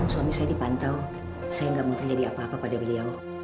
suami saya dipantau saya nggak mau terjadi apa apa pada beliau